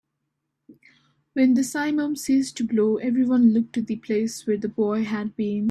When the simum ceased to blow, everyone looked to the place where the boy had been.